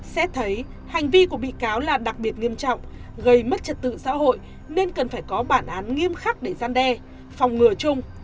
xét thấy hành vi của bị cáo là đặc biệt nghiêm trọng gây mất trật tự xã hội nên cần phải có bản án nghiêm khắc để gian đe phòng ngừa chung